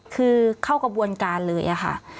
คือเข้ากระบวนการเลยค่ะ